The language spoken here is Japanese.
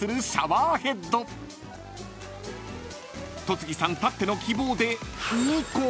［戸次さんたっての希望で２個］